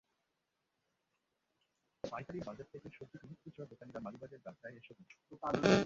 পাইকারি বাজার থেকে সবজি কিনে খুচরা দোকানিরা মালিবাগের রাস্তায় এসে বসেন।